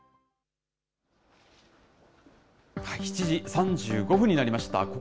７時３５分になりました。